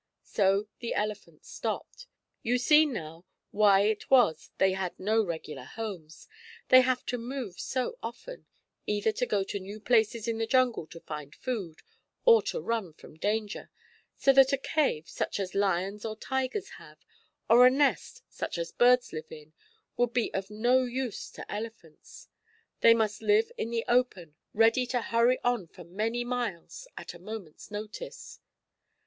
So the elephants stopped. You see, now, why it was they had no regular homes. They have to move so often, either to go to new places in the jungle to find food, or to run from danger, so that a cave, such as lions or tigers have, or a nest, such as birds live in, would be of no use to elephants. They must live in the open, ready to hurry on for many miles at a moment's notice.